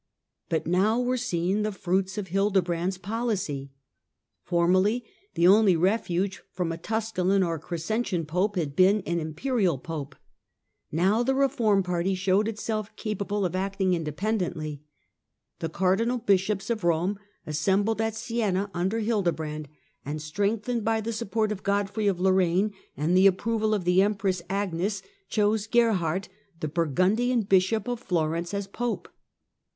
But now were seen the fruits MHildebrand's policy. Formerly, the only refuge from " Tusculan " or " Crescentian " Pope had been an *' Imperial " Pope. Now the reform party showed itself capable of acting independently. The cardinal bishops of Eome assembled at Siena under Hildebrand, and, strengthened by the support of Godfrey of Lorraine and the approval of the Empress Agnes, chose Gerhard, the Burgundian bishop of Florence, as Pope.